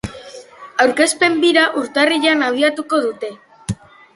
Aurkezpen-bira urtarrilean abiatuko dute.